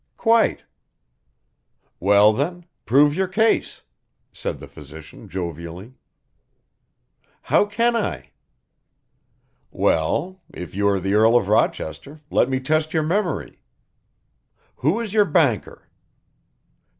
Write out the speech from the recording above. "Quite." "Well, then, prove your case," said the physician jovially. "How can I?" "Well, if you are the Earl of Rochester, let me test your memory. Who is your banker?"